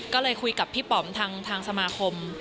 ก็เลยคุยกับพี่ป๋อมทางสมาคม